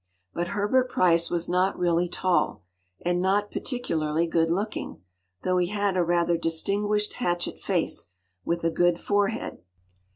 But Herbert Pryce was not really tall, and not particularly good looking, though he had a rather distinguished hatchet face, with a good forehead.